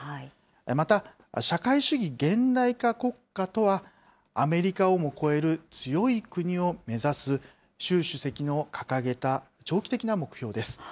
また、社会主義現代化国家とは、アメリカをも超える強い国を目指す、習主席の掲げた長期的な目標です。